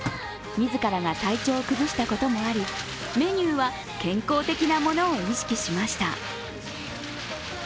自らが体調を崩したこともあり、メニューは健康的なものを意識しました。